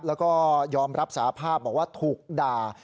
แล้วก็ยอมรับสาภาพบอกว่าถูกด่า